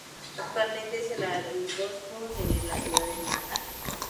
Actualmente es el Arzobispo de su ciudad natal.